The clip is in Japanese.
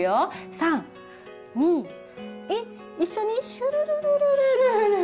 ３２１一緒にしゅるるるるるる。